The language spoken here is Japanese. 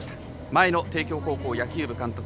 前の帝京高校野球部監督